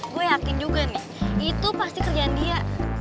gue yakin juga nih itu pasti kerjaan dia